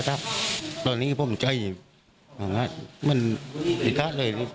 ตอนนี้ผมใจมันติดตัดเลย